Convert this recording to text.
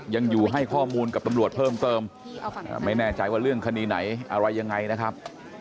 ยังอยู่ให้ข้อมูลกับตำรวจเพิ่มเติมไม่แน่ใจว่าเรื่องคดีไหนอะไรยังไงนะครับ